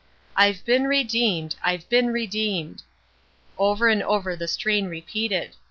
"I've been redeemed, I've been redeemed!" Over and over the strain repeated.